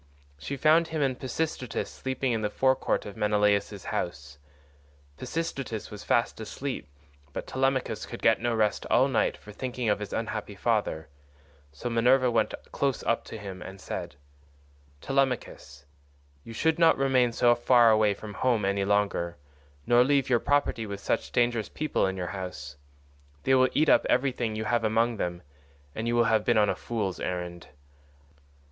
She found him and Pisistratus sleeping in the forecourt of Menelaus's house; Pisistratus was fast asleep, but Telemachus could get no rest all night for thinking of his unhappy father, so Minerva went close up to him and said: "Telemachus, you should not remain so far away from home any longer, nor leave your property with such dangerous people in your house; they will eat up everything you have among them, and you will have been on a fool's errand.